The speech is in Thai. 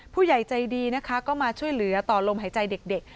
ผู้ใหญ่ใจดีนะคะก็มาช่วยเหลือต่อลมหายใจเด็ก